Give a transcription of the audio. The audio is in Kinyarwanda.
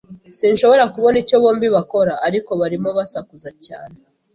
Sinshobora kubona icyo bombi bakora, ariko barimo basakuza cyane.